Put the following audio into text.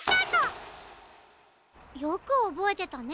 よくおぼえてたね。